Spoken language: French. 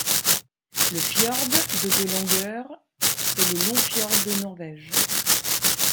Le fjord, de de longueur, est le long fjord de Norvège.